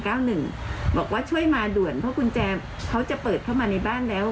บอกว่าช่วยมาด่วนเพราะกุญแจเขาจะเปิดเข้ามาในบ้านแล้ว